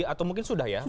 atau mungkin sudah ya